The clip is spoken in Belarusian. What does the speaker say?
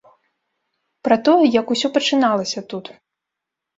Пра тое, як усё пачыналася тут.